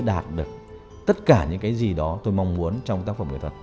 đạt được tất cả những cái gì đó tôi mong muốn trong tác phẩm nghệ thuật